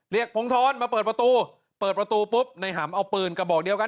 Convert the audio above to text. พงธรมาเปิดประตูเปิดประตูปุ๊บในหำเอาปืนกระบอกเดียวกัน